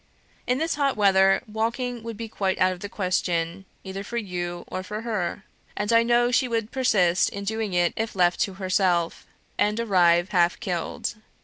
In this hot weather walking would be quite out of the question, either for you or for her; and I know she would persist in doing it if left to herself, and arrive half killed.